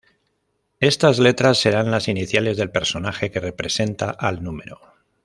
Estas letras serán las iniciales del personaje que representa al número.